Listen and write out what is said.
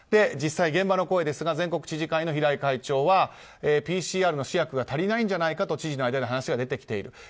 実際、現場の声ですが全国知事会の平井会長はＰＣＲの試薬が足りないんじゃないかと知事の間では話が出ている。